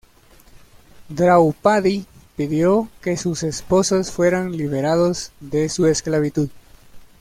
Draupadi pidió que sus esposos fueran liberados de su esclavitud.